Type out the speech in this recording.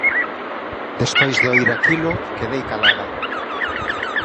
Despois de oír aquilo, quedei calada